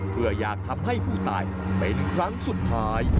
เพื่ออยากทำให้ผู้ตายเป็นครั้งสุดท้าย